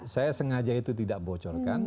saya sengaja itu tidak bocorkan